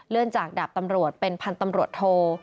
เลื่อนจากดับตำรวจเป็นพลตำรวจโทร